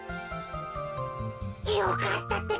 よかったってか。